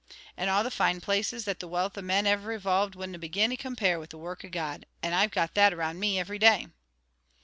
And all the fine places that the wealth o' men ever evolved winna begin to compare with the work o' God, and I've got that around me every day."